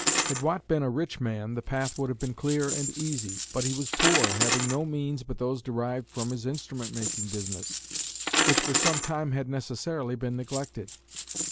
Had Watt been a rich man, the path would have been clear and easy, but he was poor, having no means but those derived from his instrument making business, which for some time had necessarily been neglected.